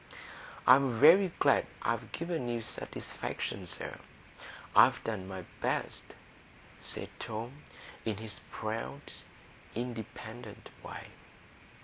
"I'm very glad I've given you satisfaction, sir; I've done my best," said Tom, in his proud, independent way.